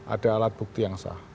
ada alat bukti yang sah